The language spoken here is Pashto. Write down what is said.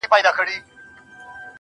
o گراني په تاڅه وسول ولي ولاړې .